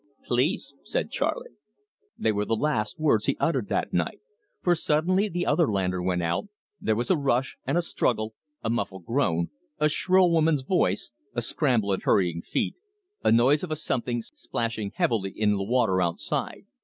"Please," said Charley. They were the last words he uttered that night, for suddenly the other lantern went out, there was a rush and a struggle, a muffled groan, a shrill woman's voice, a scramble and hurrying feet, a noise of a something splashing heavily in the water outside.